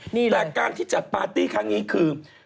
แต่การที่จัดปาร์ตี้ครั้งนี้คือ